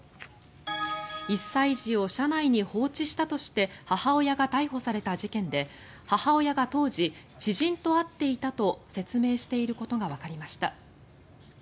１歳児を車内に放置したとして母親が逮捕された事件で母親が当時知人と会っていたと説明していることがわかりました。